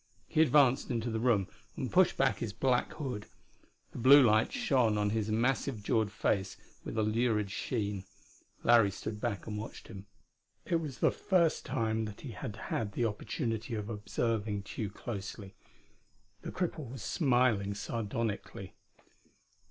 He advanced into the room and pushed back his black hood. The blue light shone on his massive jawed face with a lurid sheen. Larry stood back and watched him. It was the first time that he had had opportunity of observing Tugh closely. The cripple was smiling sardonically.